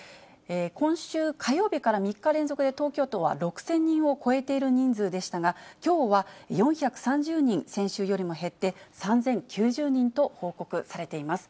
今週火曜日から３日連続で東京都は６０００人を超えている人数でしたが、きょうは４３０人、先週よりも減って、３０９０人と報告されています。